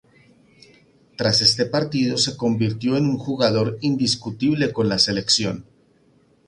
Tras este partido, se convirtió en un jugador indiscutible con la Selección.